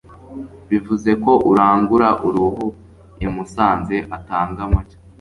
bivuze ko urangura uruhu i Musanze atanga make